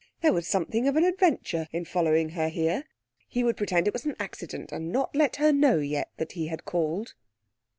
There was something of an adventure in following her here. He would pretend it was an accident, and not let her know yet that he had called.